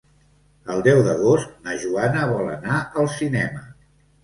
El deu d'agost na Joana vol anar al cinema.